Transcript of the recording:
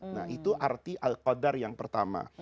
nah itu arti al qadar yang pertama